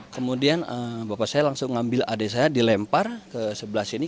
kemudian bapak saya langsung ngambil adik saya dilempar ke sebelah sini